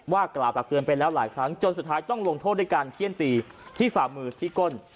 ว่ากล่าวตักเตือนไปแล้วหลายครั้งจนสุดท้ายต้องลงโทษด้วยการเขี้ยนตีที่ฝ่ามือที่ก้น